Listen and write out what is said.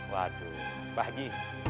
waduh pak haji